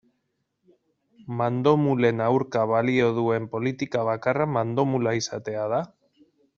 Mandomulen aurka balio duen politika bakarra mandomula izatea da?